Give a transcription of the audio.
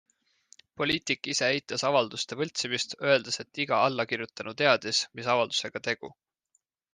Poliitik ise eitas avalduste võltsimist, öeldes, et iga allakirjutanu teadis, mis avaldusega tegu.